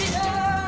budi mau ke mana